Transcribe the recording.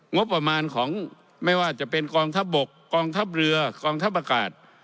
งบประมาณของไม่ว่าจะเป็นกองทัพบกกองทัพเรือกองทัพอากาศ